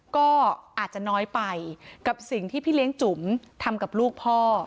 ก็อาจจะน้อยไปกับสิ่งที่พี่เลี้ยงจุ๋มทำกับลูกพ่อ